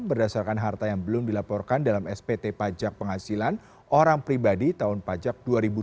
berdasarkan harta yang belum dilaporkan dalam spt pajak penghasilan orang pribadi tahun pajak dua ribu dua puluh